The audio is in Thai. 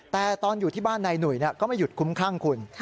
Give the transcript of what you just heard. แต่ตอนอยู่ที่บ้านนายหนุ่ยก็ไม่หยุดคุ้มครั่งคุณ